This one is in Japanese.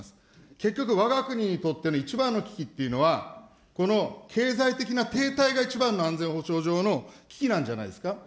結局、わが国にとっての一番の危機っていうのは、この経済的な停滞が一番の安全保障上の危機なんじゃないですか。